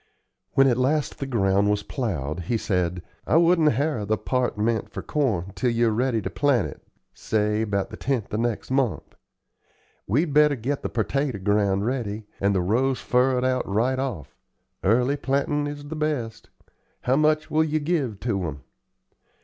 When at last the ground was plowed, he said: "I wouldn't harrow the part meant for corn till you are ready to plant it, say about the tenth of next month. We'd better get the pertater ground ready and the rows furrowed out right off. Early plantin' is the best. How much will ye give to 'em?"